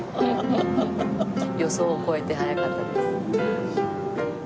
予想を超えて早かったです。